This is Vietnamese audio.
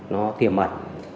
nó tiềm ẩn